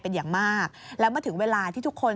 เป็นอย่างมากแล้วเมื่อถึงเวลาที่ทุกคน